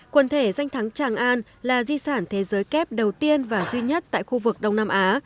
quần thể danh thắng tràng an là di sản thế giới kép đầu tiên và duy nhất tại khu vực đông nam á